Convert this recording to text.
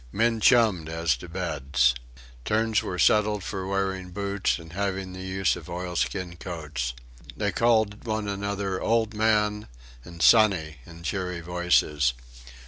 Men chummed as to beds. Turns were settled for wearing boots and having the use of oilskin coats. They called one another "old man" and "sonny" in cheery voices.